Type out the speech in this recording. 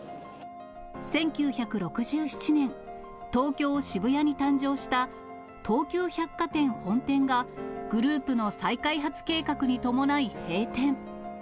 １９６７年、東京・渋谷に誕生した東急百貨店本店が、グループの再開発計画に伴い閉店。